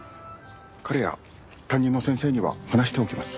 彼や担任の先生には話しておきます。